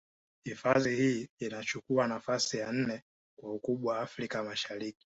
Hifadhi hii inachuku nafasi ya nne kwa ukubwa Afrika Mashariki